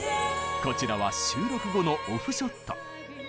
こちらは収録後のオフショット。